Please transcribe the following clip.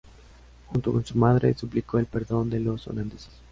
Junto con su madre suplicó el perdón de los holandeses.